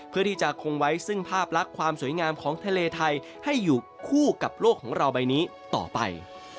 เพื่อที่จะคงไว้ซึ่งภาพลักษณ์ความสวยงามของทะเลไทยให้อยู่คู่กับโลกของเราใบนี้ต่อไป